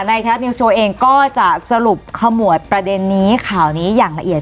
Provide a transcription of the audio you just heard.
ไทยรัฐนิวสโชว์เองก็จะสรุปขมวดประเด็นนี้ข่าวนี้อย่างละเอียด